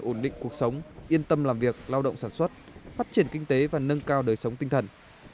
ổn định cuộc sống yên tâm làm việc lao động sản xuất phát triển kinh tế và nâng cao đời sống tinh thần